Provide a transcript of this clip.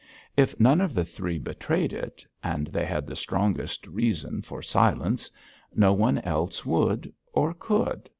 If none of the three betrayed it and they had the strongest reason for silence no one else would, or could.